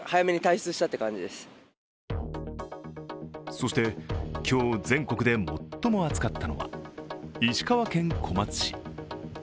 そして今日、全国で最も暑かったのは石川県小松市。